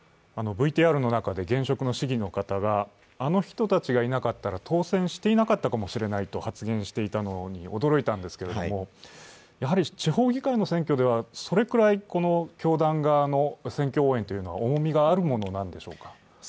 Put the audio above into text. ＶＴＲの中で現職の市議の方があの人たちがいなかったら当選していなかったかもしれないと発言していたのに驚いたんですけれどもやはり地方議会の選挙ではそれくらい教団側の選挙応援というのは重みがあるものなのでしょうか？